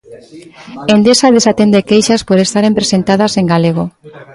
Endesa desatende queixas por estaren presentadas en galego.